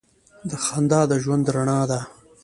• خندا د ژوند رڼا ده.